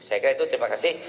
saya kira itu terima kasih